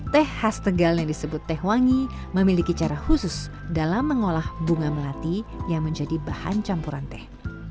teh khas tegal yang disebut teh wangi memiliki cara khusus dalam mengolah bunga melati yang menjadi bahan campuran teh